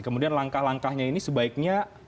kemudian langkah langkahnya ini sebaiknya